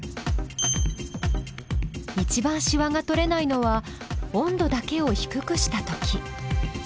いちばんしわが取れないのは温度だけを低くした時。